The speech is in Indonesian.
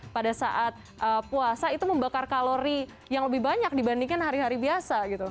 pada saat puasa itu membakar kalori yang lebih banyak dibandingkan hari hari biasa gitu